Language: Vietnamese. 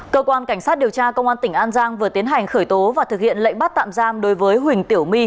cơ quan cảnh sát điều tra công an tỉnh an giang vừa tiến hành khởi tố và thực hiện lệnh bắt tạm giam đối với huỳnh tiểu my